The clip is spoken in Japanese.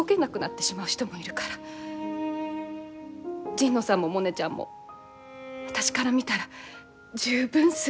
神野さんもモネちゃんも私から見たら十分すごい。